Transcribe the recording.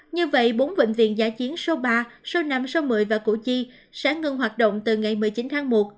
như vậy bốn bệnh viện giá chiến số ba số năm số một mươi và củ chi sẽ ngừng hoạt động từ ngày một mươi chín tháng một